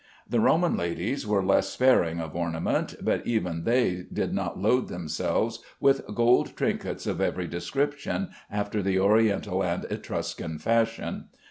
The Roman ladies were less sparing of ornament, but even they did not load themselves with gold trinkets of every description after the Oriental and Etruscan fashion.